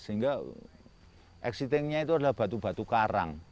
sehingga exittingnya itu adalah batu batu karang